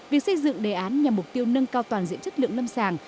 việc xây dựng đề án nhằm mục tiêu nâng cao toàn diện chất lượng lâm sàng